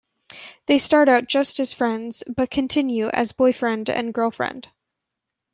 They start out just as friends, but continue as boyfriend and girlfriend.